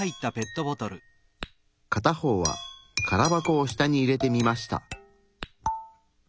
片方は空箱を下に入れてみました。